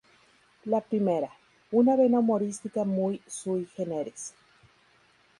La primera, una vena humorística muy "sui generis".